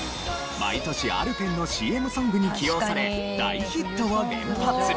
毎年アルペンのＣＭソングに起用され大ヒットを連発。